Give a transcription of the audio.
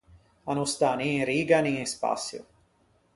A no stà ni in riga ni in spaçio.